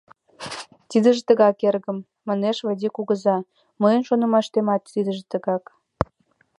— Тидыже тыгак, эргым, — манеш Вайди кугыза, — мыйын шонымаштемат, тидыже тыгак...